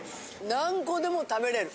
何個でも食べれる。